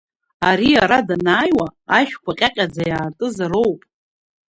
Ари ара данааиуа, ашәқәа ҟьаҟьаӡа иаартызароуп.